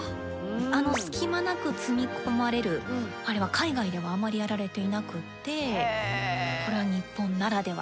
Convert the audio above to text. あの隙間なく積み込まれるあれは海外ではあまりやられていなくってこれは日本ならでは。